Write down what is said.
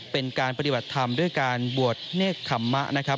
เป็นการปฏิบัติธรรมด้วยการบวชเนธธรรมะนะครับ